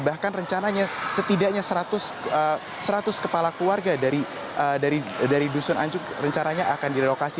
bahkan rencananya setidaknya seratus kepala keluarga dari dusun anjuk rencananya akan direlokasi